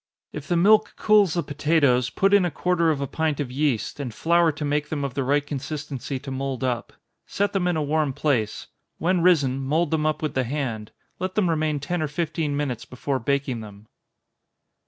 If the milk cools the potatoes, put in a quarter of a pint of yeast, and flour to make them of the right consistency to mould up. Set them in a warm place when risen, mould them up with the hand let them remain ten or fifteen minutes before baking them.